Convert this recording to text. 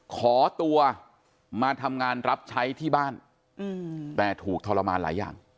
ขอตัวมาทำงานรับใช้ที่บ้านแต่ถูกทรมานหลายอย่าง